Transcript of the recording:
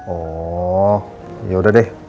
oh ya udah deh